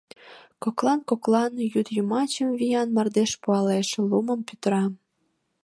Коклан-коклан йӱдйымачын виян мардеж пуалеш, лумым пӱтыра.